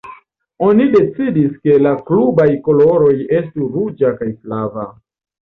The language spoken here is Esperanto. Oni decidis ke la klubaj koloroj estu ruĝa kaj flava.